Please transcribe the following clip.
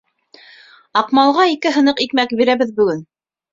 — Аҡмалға ике һыныҡ икмәк бирәбеҙ бөгөн.